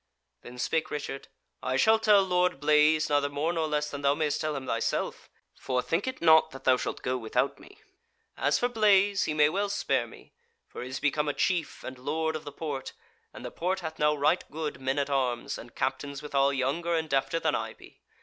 Then spake Richard: "I shall tell Lord Blaise neither more nor less than thou mayst tell him thyself: for think it not that thou shalt go without me. As for Blaise, he may well spare me; for he is become a chief and Lord of the Porte; and the Porte hath now right good men at arms, and captains withal younger and defter than I be.